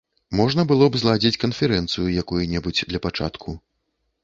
Можна было б зладзіць канферэнцыю якую-небудзь для пачатку.